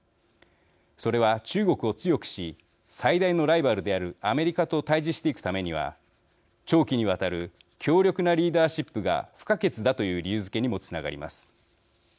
それは中国を強くし最大のライバルであるアメリカと対じしていくためには長期にわたる強力なリーダーシップが不可欠だという理由づけにもつながります。